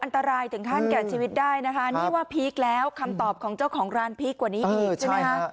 อันตรายถึงขั้นแก่ชีวิตได้นะคะนี่ว่าพีคแล้วคำตอบของเจ้าของร้านพีคกว่านี้อีกใช่ไหมคะ